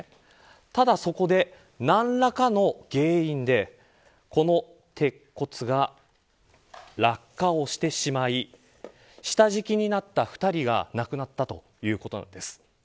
ただそこで何らかの原因でこの鉄骨が落下をしてしまい下敷きになった２人が亡くなったということなんです。